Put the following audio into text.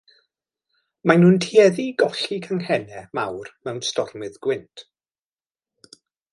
Mae'n nhw'n tueddu i golli canghennau mawr mewn stormydd gwynt.